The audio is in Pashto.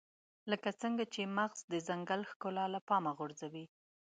لکه څنګه چې مغز د ځنګل ښکلا له پامه غورځوي.